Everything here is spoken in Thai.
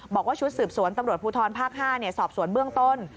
บอกว่าชุดสืบสวนตำรวจภูทรภาค๕สอบสวนเบื้องต้น